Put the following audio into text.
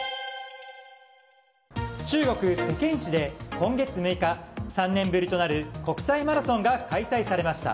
中国・北京市で今月６日３年ぶりとなる国際マラソンが開催されました。